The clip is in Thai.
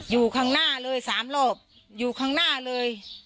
อยู่ข้างหน้าเลย๓รอบอยู่ข้างหน้าเลย